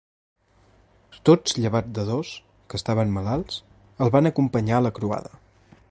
Tots llevat de dos, que estaven malalts, el van acompanyar a la croada.